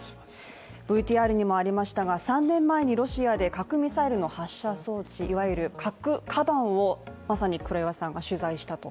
ＶＴＲにもありましたが、３年前にロシアで核ミサイルの発射装置、まさに核かばんを黒岩さんが取材したと。